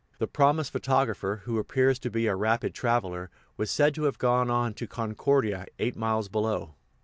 The promised photographer, who appears to be a rapid traveler, was said to have gone on to Concordia, eight miles below.